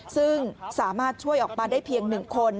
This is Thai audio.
ซึ่งสามารถช่วยออกมาได้เพียง๑คน